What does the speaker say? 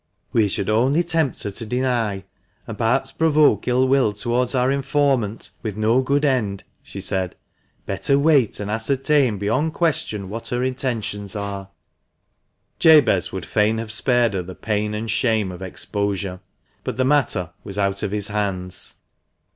" We should only tempt her to deny, and perhaps provoke ill will towards our informant, with no good end," she said. " Better wait and ascertain beyond question what her intentions are," 356 THE MANCHESTER MAN. Jabez would fain have spared her the pain and shame of exposure, but the matter was out of his hands.